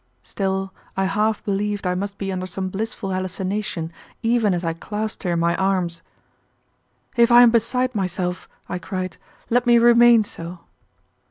Still, I half believed I must be under some blissful hallucination even as I clasped her in my arms. "If I am beside myself," I cried, "let me remain so."